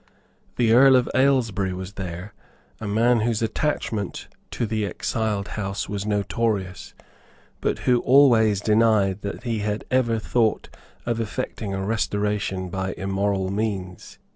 The Earl of Aylesbury was there, a man whose attachment to the exiled house was notorious, but who always denied that he had ever thought of effecting a restoration by immoral means.